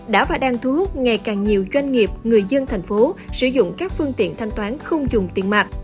đã và đang thu hút ngày càng nhiều doanh nghiệp người dân thành phố sử dụng các phương tiện thanh toán không dùng tiền mặt